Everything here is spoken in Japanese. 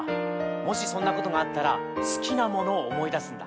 もしそんなことがあったらすきなものをおもいだすんだ。